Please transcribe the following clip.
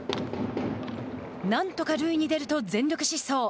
「なんとか塁に出る」と全力疾走。